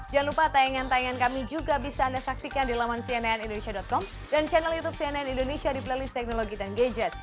jangan lupa tayangan tayangan kami juga bisa anda saksikan di laman cnnindonesia com dan channel youtube cnn indonesia di playlist teknologi dan gadget